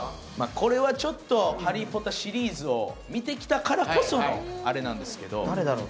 これはちょっと「ハリー・ポッター」シリーズを見てきたからこそのあれなんですけど誰だろう？